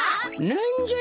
なんじゃ？